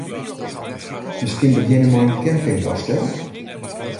Miskien begjinne mei in campinggasstel?